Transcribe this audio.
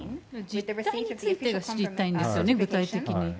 について知りたいんですよね、具体的に。